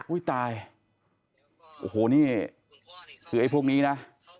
ตายโอ้โหนี่คือไอ้พวกนี้นะ